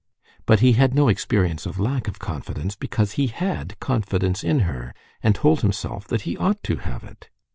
But he had no experience of lack of confidence, because he had confidence in her, and told himself that he ought to have it.